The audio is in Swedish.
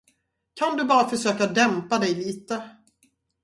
Kan du bara försöka dämpa dig lite?